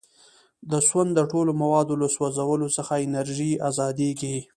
د سون د ټولو موادو له سوځولو څخه انرژي ازادیږي.